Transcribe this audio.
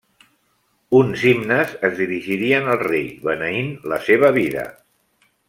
Uns himnes es dirigien al rei, beneint la seva vida.